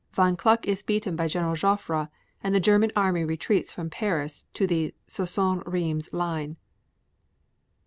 Von Kluck is beaten by Gen. Joffre, and the German army retreats from Paris to the Soissons Rheims line.